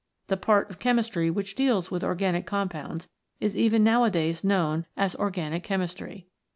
The part of Chemistry which deals with organic compounds is even nowadays knoM n as Organic Chemistry.